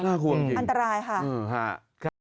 คุณคุณจริงค่ะคุณคุณค่ะอันตรายค่ะค่ะ